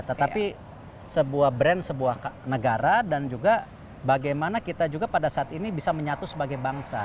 tetapi sebuah brand sebuah negara dan juga bagaimana kita juga pada saat ini bisa menyatu sebagai bangsa